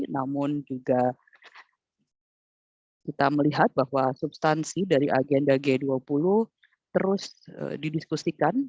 namun juga kita melihat bahwa substansi dari agenda g dua puluh terus didiskusikan